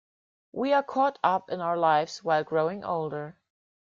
We are caught up in our lives while growing older.